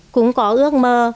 cũng có ước mơ